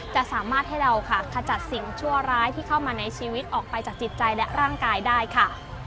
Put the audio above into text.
จะสามารถให้เราค่ะขจัดสิ่งชั่วร้ายที่เข้ามาในชีวิตออกไปจากจิตใจและร่างกายได้ค่ะ